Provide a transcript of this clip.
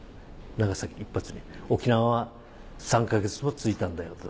「長崎１発沖縄は３か月も続いたんだよ」と。